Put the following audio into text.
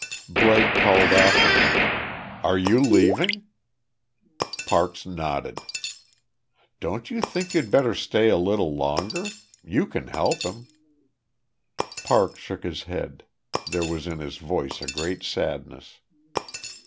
Blake called after him: "You are leaving?" Parks nodded. "Don't you think you'd better stay a little longer? You can help him." Parks shook his head; there was in his voice a great sadness.